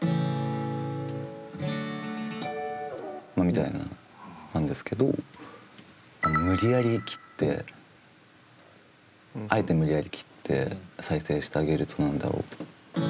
みたいな感じですけど無理やり切ってあえて無理やり切って再生してあげると何だろう。